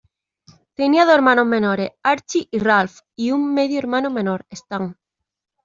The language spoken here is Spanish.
Tenía dos hermanos menores, Archie y Ralph, y un medio hermano menor, Stan.